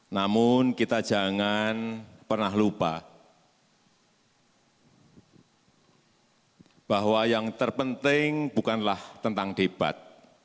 namun kita jangan pernah lupa bahwa yang terpenting bukanlah tentang debat